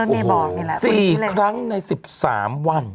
โอ้โหสี่ครั้งใน๑๓วัน